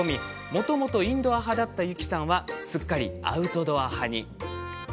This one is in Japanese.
もともとインドア派だったゆきさんはすっかりアウトドア派に。